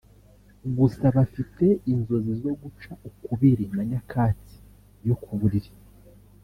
gusa bafite inzozi zo guca ukubiri na nyakatsi yo ku buriri